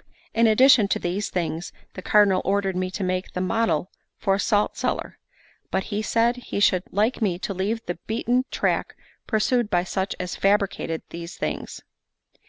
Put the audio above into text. II IN addition to these things the Cardinal ordered me to make the model for a salt cellar; but he said he should like me to leave the beaten track pursued by such as fabricated these things.